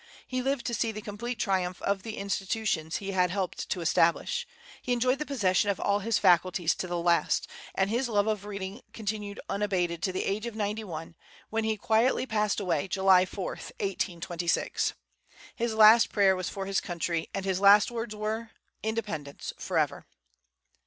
He lived to see the complete triumph of the institutions he had helped to establish. He enjoyed the possession of all his faculties to the last, and his love of reading continued unabated to the age of ninety one, when he quietly passed away, July 4, 1826. His last prayer was for his country, and his last words were, "Independence forever!"